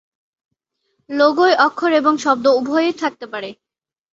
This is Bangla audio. লোগোয় অক্ষর এবং শব্দ উভয়ই থাকতে পারে।